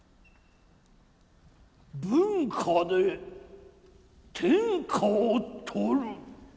文化で天下をとる！